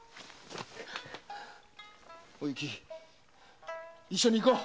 お雪一緒に行こう！